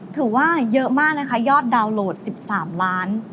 ถือว่าเยอะมากนะคะยอดดาวน์โหลด๑๓ล้าน